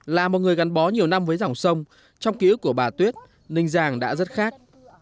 là một người gắn bó nhiều năm với dòng sông trong ký ức của bà tuyết ninh giang đã rất khác